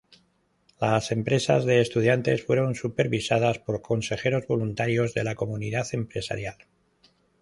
Las empresas de estudiantes fueron supervisados por consejeros voluntarios de la comunidad empresarial.